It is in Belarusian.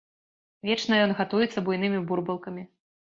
Вечна ён гатуецца буйнымі бурбалкамі.